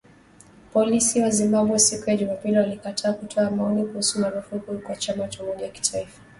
Polisi wa Zimbabwe, siku ya Jumapili walikataa kutoa maoni kuhusu marufuku kwa chama cha umoja wa kitaifa wa Zimbabwe huko Marondera.